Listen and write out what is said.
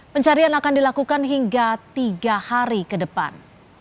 pencarian akan dilakukan hingga tiga hari ke depan